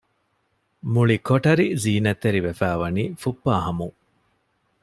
މުޅި ކޮޓަރި ޒީނަތްތެރި ވެފައިވަނީ ފުއްޕާހަމުން